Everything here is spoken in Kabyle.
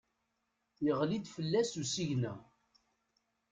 Yeɣli-d fell-as usigna.